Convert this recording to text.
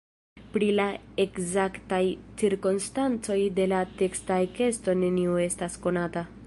Pri la ekzaktaj cirkonstancoj de la teksta ekesto neniu estas konata.